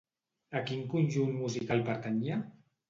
A quin conjunt musical pertanyia?